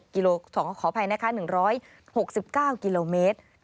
๑๙๖กิโลเมตรขออภัยนะคะ๑๖๙กิโลเมตร